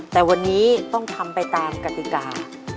แต่วันนี้ต้องทำไปตามกติกา